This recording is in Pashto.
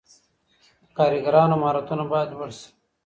د کارګرانو مهارتونه باید لوړ سي.